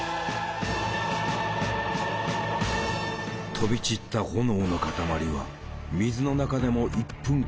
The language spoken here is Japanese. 飛び散った炎の塊は水の中でも１分間燃え続けた。